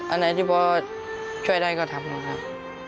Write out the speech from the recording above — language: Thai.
อันไหนที่พ่อช่วยได้ก็ทำครับ